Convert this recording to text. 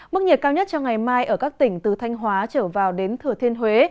mức nhiệt cao nhất cho ngày mai ở các tỉnh từ thanh hóa trở vào đến thừa thiên huế